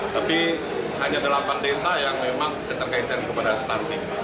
tapi hanya delapan desa yang memang keterkaitan kepada stunting